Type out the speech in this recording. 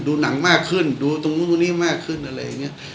ดูหนังมากขึ้นดูตรงนู้นตรงนี้มากขึ้นอะไรอย่างนี้